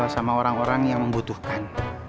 sama orang orang yang membutuhkan